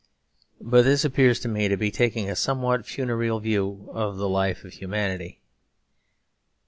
But this appears to me to be taking a somewhat funereal view of the life of humanity.